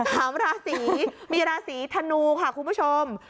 สามราศีมีราศีธนูค่ะคุณผู้ชม